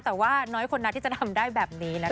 แต่ว่าน้อยคนนักที่จะทำได้แบบนี้นะคะ